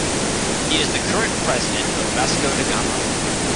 He is the current president of Vasco da Gama.